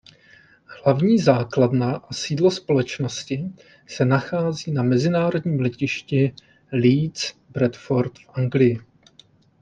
Hlavní základna a sídlo společnosti se nachází na mezinárodním letišti Leeds Bradford v Anglii.